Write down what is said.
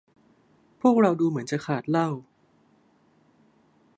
พวกเราดูเหมือนจะขาดเหล้า